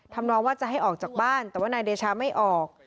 น้องว่าจะให้ออกจากบ้านแต่ว่านายเดชาไม่ออก